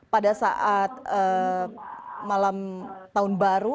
pada saat malam tahun baru